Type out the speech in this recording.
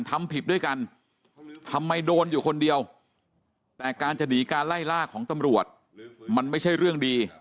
ทำผิดด้วยกันทำไมโดนอยู่คนเดียวแต่การจะหนีการไล่ล่าของตำรวจมันไม่ใช่เรื่องดี